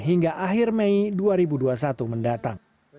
hingga akhir mei dua ribu dua puluh satu mendatang